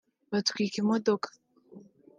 batwika imodoka